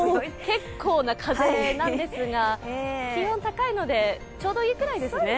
結構な風なんですが、気温、高いので、ちょうどいいくらいですね。